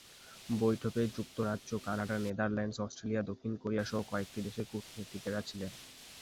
বৈঠকে যুক্তরাজ্য, Canada, Netherlands, Australia, দক্ষিণ কোরিয়াসহ কয়েকটি দেশের কূটনীতিকেরা ছিলেন।